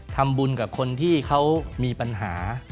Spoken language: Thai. ทำบุญกับคนที่เขามีปัญหา